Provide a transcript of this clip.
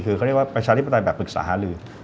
คือเขาเรียกว่าประชาธิปไตยแบบปรึกษาหาลือ